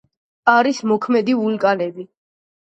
არის მოქმედი ვულკანები.